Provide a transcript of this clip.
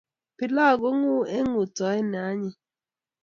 Pilau konguu eng ngutoet ne anyiny